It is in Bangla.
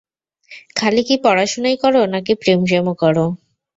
খালি কি পড়াশুনাই করো, নাকি প্রেম-টেমও করো?